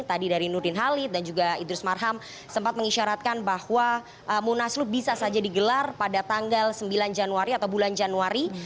tadi dari nurdin halid dan juga idrus marham sempat mengisyaratkan bahwa munaslup bisa saja digelar pada tanggal sembilan januari atau bulan januari